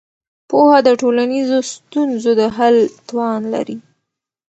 پوهه د ټولنیزو ستونزو د حل توان لري.